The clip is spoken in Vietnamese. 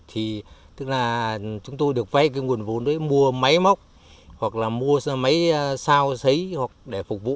thì tức là chúng tôi được vay cái nguồn vốn đấy mua máy móc hoặc là mua máy sao xấy hoặc để phục vụ